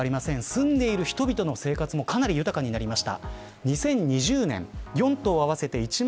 住んでいる人々の生活もかなり豊かになりました。